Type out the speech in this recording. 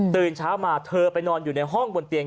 ตื่นเช้ามาเธอไปนอนอยู่ในห้องบนเตียง